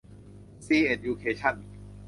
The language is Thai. ซีเอ็ดยูเคชั่น